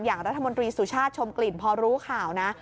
อย่างรัฐมนตรีสุชาติชมกลิ่นพอรู้ข่าวนะ